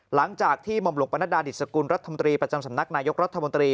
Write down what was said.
หลังจากที่หม่อมหลวงประนัดดาดิสกุลรัฐมนตรีประจำสำนักนายกรัฐมนตรี